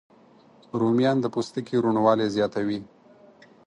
رومیان د پوستکي روڼوالی زیاتوي